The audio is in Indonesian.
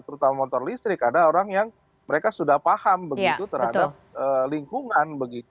terutama motor listrik ada orang yang mereka sudah paham begitu terhadap lingkungan begitu